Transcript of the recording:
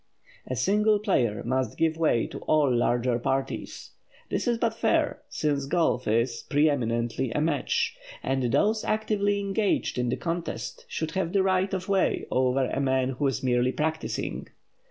A single player must give way to all larger parties. This is but fair, since golf is, preeminently, a match; and those actively engaged in the contest should have the right of way over a man who is merely practising.